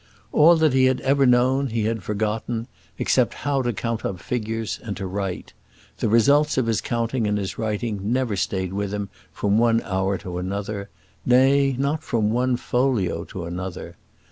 All that he had ever known he had forgotten, except how to count up figures and to write: the results of his counting and his writing never stayed with him from one hour to another; nay, not from one folio to another.